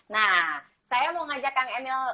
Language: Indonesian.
nah saya mau ngajak kang emil